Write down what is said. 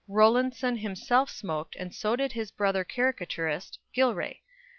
Rowlandson himself smoked, and so did his brother caricaturist, Gillray.